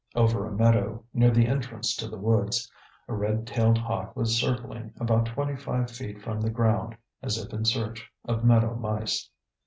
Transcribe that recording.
Over a meadow, near the entrance to the woods, a red tailed hawk was circling about twenty five feet from the ground, as if in search of meadow mice.